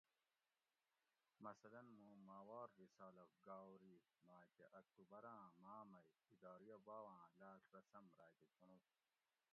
"مثلاۤ موں ماھوار رسالہ ""گاؤری"" ماکہ اکتوبر آں ماۤ مئ اداریہ باۤواۤں لاڷ رسم راۤکہ چنڑوت"